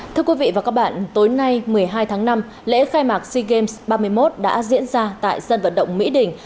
thưa quý vị và các bạn tối nay một mươi hai tháng năm lễ khai mạc sea games ba mươi một đã diễn ra tại sân vận động mỹ đình